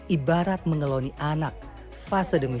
untuk baneton berdiameter dua puluh cm